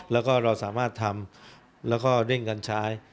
แล้วก็เราสามารถทำแล้วก็เร่งกันใช้